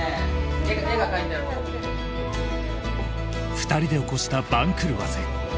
二人で起こした番狂わせ。